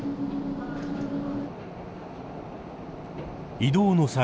移動の際